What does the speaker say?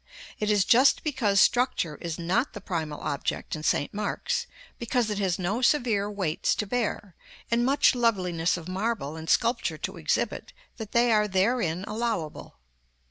It is just because structure is not the primal object in St. Mark's, because it has no severe weights to bear, and much loveliness of marble and sculpture to exhibit, that they are therein allowable.